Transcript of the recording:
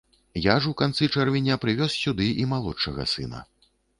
Я ж у канцы чэрвеня прывёз сюды і малодшага сына.